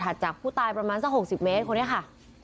จากผู้ตายประมาณสัก๖๐เมตรคนนี้ค่ะ